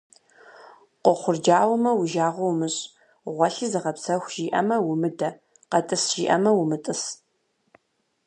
Къохъурджауэмэ, уи жагъуэ умыщӏ, гъуэлъи зыгъэпсэху жиӏэмэ – умыдэ, къэтӏыс жиӏэмэ – умытӏыс.